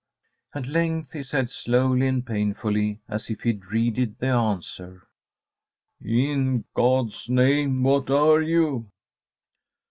At length he said, slowly and painfully, as if he dreaded the answer, "In God's name, what are you?"